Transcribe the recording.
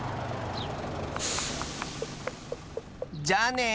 じゃあね！